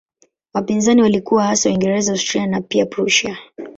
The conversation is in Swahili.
Wapinzani walikuwa hasa Uingereza, Austria na pia Prussia.